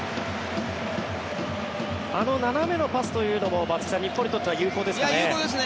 あの斜めのパスというのも日本にとっては有効ですね。